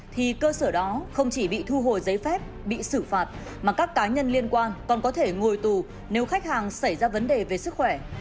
thì cơ sở đó không chỉ bị thu hồi giấy phép bị xử phạt mà các cá nhân liên quan còn có thể ngồi tù nếu khách hàng xảy ra vấn đề về sức khỏe